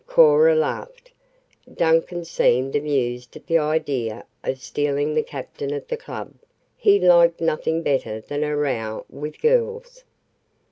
Cora laughed. Duncan seemed amused at the idea of "stealing" the captain of the club he liked nothing better than a "row" with girls.